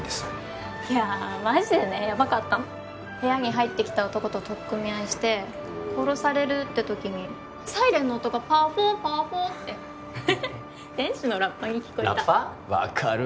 いやあマジでねヤバかったの部屋に入ってきた男と取っ組み合いして殺されるって時にサイレンの音がパーフォーパーフォーってフフッ天使のラッパに聞こえたラッパ？